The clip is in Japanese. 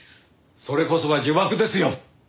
それこそが呪縛ですよ！